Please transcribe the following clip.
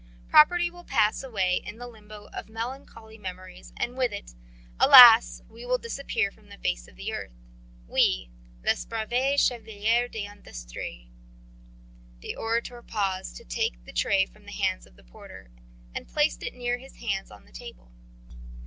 Property will pass away into the limbo of melancholy memories and with it, alas! we will disappear from the face of the earth, we, les braves chevaliers d'industrie." The orator paused to take the tray from the hands of the porter, and placed it near to his hand on the table.